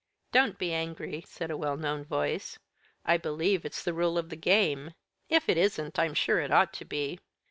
"Don't be angry," said a well known voice; "I believe it's the rule of the game. If it isn't I'm sure it ought to be."